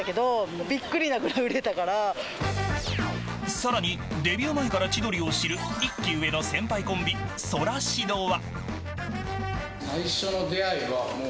さらにデビュー前から千鳥を知る１期上の先輩コンビソラシドは。